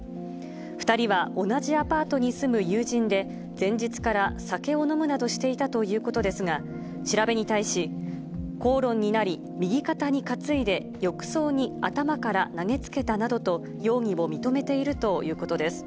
２人は同じアパートに住む友人で、前日から酒を飲むなどしていたということですが、調べに対し、口論になり、右肩に担いで浴槽に頭から投げつけたなどと、容疑を認めているということです。